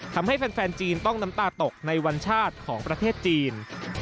ทำให้แฟนจีนต้องน้ำตาตกในวันชาติของประเทศจีน